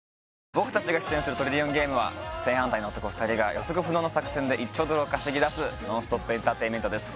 僕たちが出演する「トリリオンゲーム」は正反対の男２人が予測不能の作戦で１兆ドルを稼ぎ出すノンストップエンターテインメントです